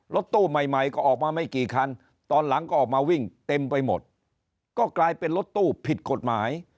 รถตู้ใหม่ใหม่ก็ออกมาไม่กี่คันตอนหลังก็ออกมาวิ่งเต็มไปหมดก็กลายเป็นรถตู้ผิดกฎหมาย